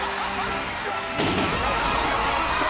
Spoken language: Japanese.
中岡さんが外した！